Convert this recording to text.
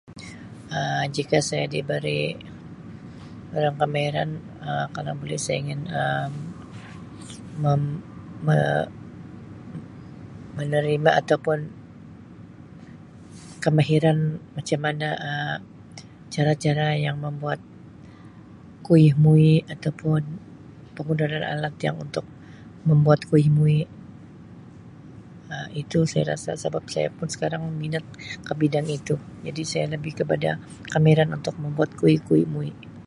Um Jika saya diberi Um [unintelligible] kemahiran kalau buli saya ingin Um mem-me Um menerima atau pun kemahiran macam mana Um cara-cara yang membuat kuih muih atau pun penggunaan alat untuk membuat kuih muih Um itu saya rasa sebab saya pun skarang Um minat ke bidang itu jadi saya lebih kepada kemahiran untuk membuat kuih kuih muih.